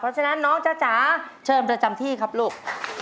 เพราะฉะนั้นน้องจ๊ะจ๋าเชิญเธอจำที่ครับลูก